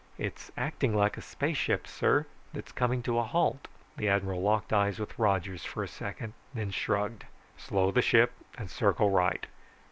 It's acting like a spaceship, sir, that's coming to a halt." The admiral locked eyes with Rogers for a second, then shrugged. "Slow the ship, and circle right.